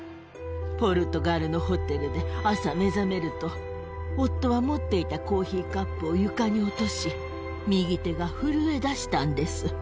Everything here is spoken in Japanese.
ポルトガルのホテルで朝、目覚めると、夫は持っていたコーヒーカップを床に落とし、右手が震え出したんです。